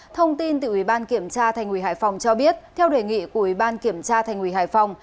thông tin từ ủy ban kiểm tra thành ủy hải phòng cho biết theo đề nghị của ủy ban kiểm tra thành ủy hải phòng